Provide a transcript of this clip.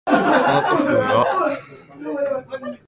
この古風な酒瓢は故郷のものだ。